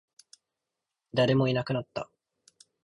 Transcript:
誰もいなくなった